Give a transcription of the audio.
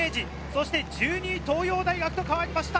１１位・明治、１２位・東洋大学と変わりました！